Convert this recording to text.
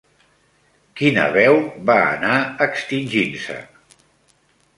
Quina veu va anar extingint-se?